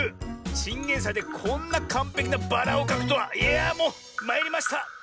チンゲンサイでこんなかんぺきなバラをかくとはいやあもうまいりました！